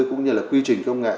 cũng như là quy trình công nghệ